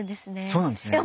そうなんですね。